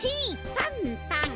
パンパン。